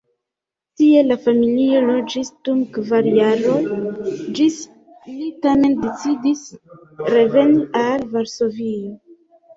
Tie la familio loĝis dum kvar jaroj, ĝis ili tamen decidis reveni al Varsovio.